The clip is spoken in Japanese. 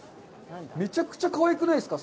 めちゃくちゃかわいくないですか？